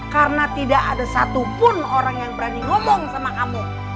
karena tidak ada satupun orang yang berani ngomong sama kamu